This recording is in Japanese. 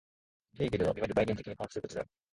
ヘーゲルのいわゆる概念的に把握することである。